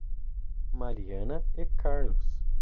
Mariana e Carlos